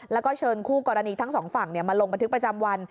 แล้วก็เชิญคู่กรณีทั้งสองฝั่งมาลงบันทึกประจำวัน